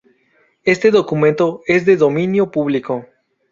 Este documento es de dominio público.